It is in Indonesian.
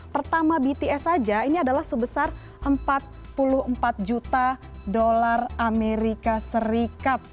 pertama bts saja ini adalah sebesar empat puluh empat juta dolar amerika serikat